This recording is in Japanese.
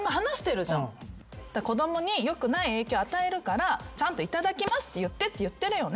子供によくない影響与えるからちゃんといただきますって言ってって言ってるよね。